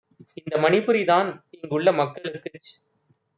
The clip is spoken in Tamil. இந்த மணிபுரிதான் இங்குள்ள மக்களுக்குச்